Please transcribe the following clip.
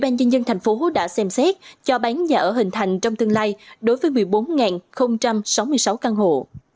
nhân dân thành phố đã xem xét cho bán nhà ở hình thành trong tương lai đối với một mươi bốn sáu mươi sáu căn hộ